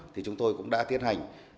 thì chúng tôi cũng đã tiến hành